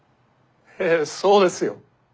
ええそうですよ。